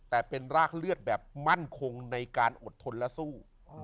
แต่เป็นรากเลือดแบบมั่นคงในการอดทนและสู้